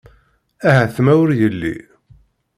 Ahat ma ur yelli.